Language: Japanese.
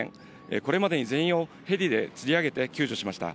これまでに全員をヘリでつり上げて救助しました。